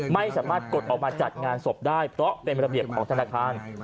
ไม่สามารถกดออกมาจัดงานศพได้เพราะเป็นระเบียบของธนาคาร